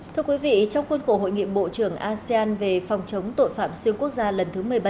thưa quý vị trong khuôn khổ hội nghị bộ trưởng asean về phòng chống tội phạm xuyên quốc gia lần thứ một mươi bảy